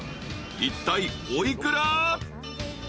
いったいお幾ら？］